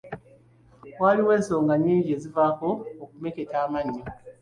Waliwo ensonga nnyingi ezivaako okumeketa amannyo.